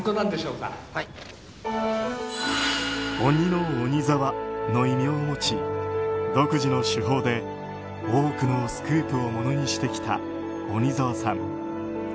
鬼の鬼沢の異名を持ち独自の手法で多くのスクープをものにしてきた鬼沢さん。